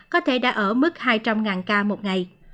có thể đã ở mức hai trăm linh ca một ngày